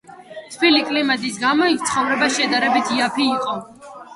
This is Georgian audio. თბილი კლიმატის გამო იქ ცხოვრება შედარებით იაფი იყო.